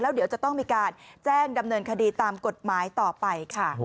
เดี๋ยวจะต้องมีการแจ้งดำเนินคดีตามกฎหมายต่อไปค่ะ